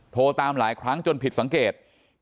โทรตามหลายครั้งจนผิดสังเกต